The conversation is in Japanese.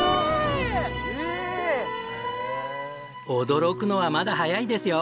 驚くのはまだ早いですよ！